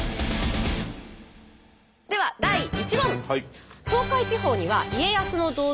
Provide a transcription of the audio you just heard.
では第１問。